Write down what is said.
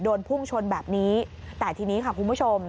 พุ่งชนแบบนี้แต่ทีนี้ค่ะคุณผู้ชม